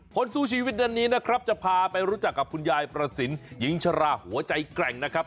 สู้ชีวิตวันนี้นะครับจะพาไปรู้จักกับคุณยายประสินหญิงชราหัวใจแกร่งนะครับ